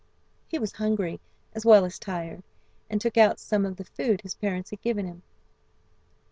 He was hungry as well as tired, and took out some of the food his parents had given him.